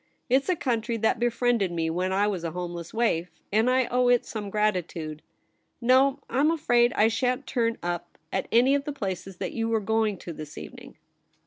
'It's a country that befriended me when I was a homeless waif, and I owe it some gratitude. No, I'm afraid I shan't turn up at any of the places that you are going to this evening.'